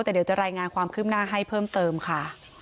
แต่เดี๋ยวจะรายงานความคืบหน้าให้เพิ่มเติมค่ะ